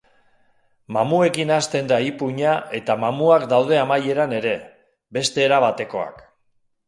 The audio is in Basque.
Mamuekin hasten da ipuina eta mamuak daude amaieran ere, beste era batekoak.